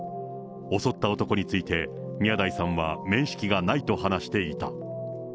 襲った男について、宮台さんは面識がないと話していた。